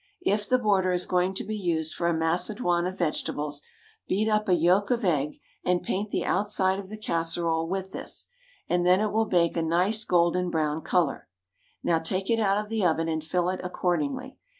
If the border is going to be used for a macedoine of vegetables, beat up a yolk of egg and paint the outside of the casserole with this, and then it will bake a nice golden brown colour. Now take it out of the oven and fill it accordingly.